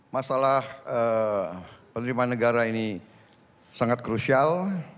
masalah penerimaan negara ini sangat krusial